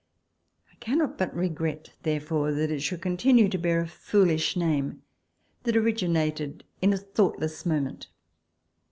I cannot but regret, therefore, that it should continue to bear a foolish name, that originated in a thoughtless moment.